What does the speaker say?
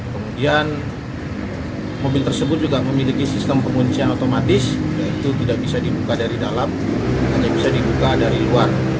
kemudian mobil tersebut juga memiliki sistem penguncian otomatis itu tidak bisa dibuka dari dalam hanya bisa dibuka dari luar